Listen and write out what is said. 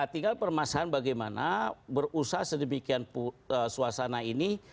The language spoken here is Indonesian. tinggal permasalahan bagaimana berusaha sedemikian suasana ini